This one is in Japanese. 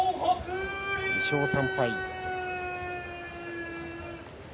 ２勝３敗。